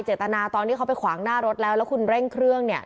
ตนาตอนที่เขาไปขวางหน้ารถแล้วแล้วคุณเร่งเครื่อง